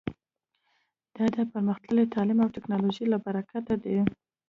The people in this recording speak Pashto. دا د پرمختللي تعلیم او ټکنالوژۍ له برکته دی